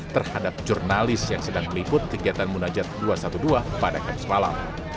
terhadap jurnalis yang sedang meliput kegiatan munajat dua ratus dua belas pada kamis malam